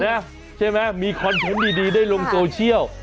ใช่ไหมมีคอนเทนต์ดีได้ลงโซเชียล